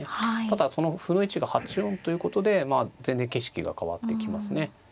ただその歩の位置が８四ということでまあ全然景色が変わってきますね。